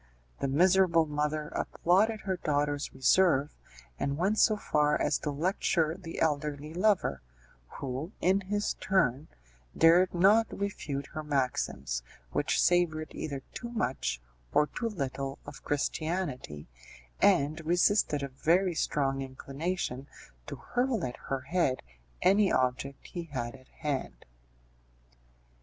The miserable mother applauded her daughter's reserve, and went so far as to lecture the elderly lover, who, in his turn, dared not refute her maxims, which savoured either too much or too little of Christianity, and resisted a very strong inclination to hurl at her head any object he had at hand.